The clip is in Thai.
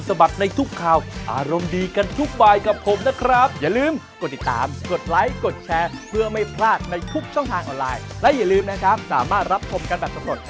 สามารับคมกันแบบทั้งหมด